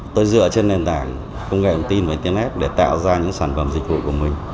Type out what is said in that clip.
tôi dựa trên nền tảng công nghệ thông tin và internet để tạo ra những sản phẩm dịch vụ của mình